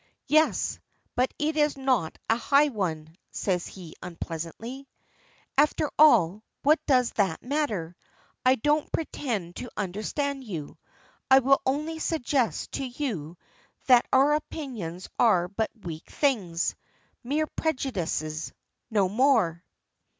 "Yes, but it is not a high one," says he unpleasantly. "After all, what does that matter? I don't pretend to understand you. I will only suggest to you that our opinions are but weak things mere prejudices no more."